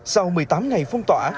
sau một mươi tám ngày phong tỏa